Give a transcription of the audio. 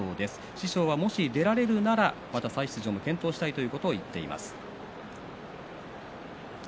師匠は、もし出られるなら再出場も検討したいと言っています。